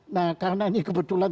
nah karena ini kebetulan